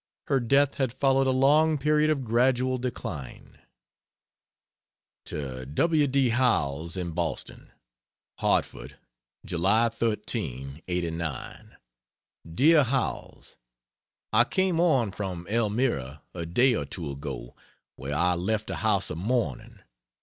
Her death had followed a long period of gradual decline. To W. D. Howells, in Boston: HARTFORD, Judy 13, '89. DEAR HOWELLS, I came on from Elmira a day or two ago, where I left a house of mourning.